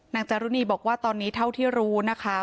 จารุณีบอกว่าตอนนี้เท่าที่รู้นะคะ